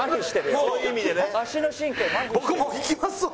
僕もう行きますわ。